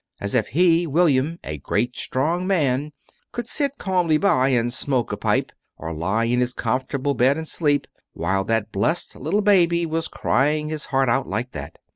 As if he, William, a great strong man, could sit calmly by and smoke a pipe, or lie in his comfortable bed and sleep, while that blessed little baby was crying his heart out like that!